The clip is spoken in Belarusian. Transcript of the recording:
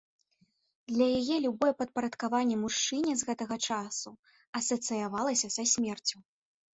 Для яе любое падпарадкаванне мужчыне з гэтага часу асацыявалася са смерцю.